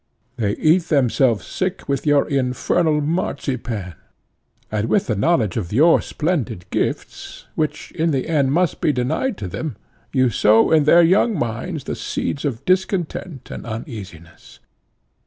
They eat themselves sick with your infernal marchpane; and with the knowledge of your splendid gifts, which in the end must be denied to them, you sow in their young minds the seeds of discontent and uneasiness.